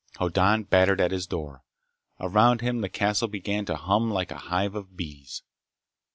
Hoddan battered at his door. Around him the castle began to hum like a hive of bees.